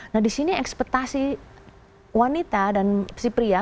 nah disini ekspetasi wanita dan si pria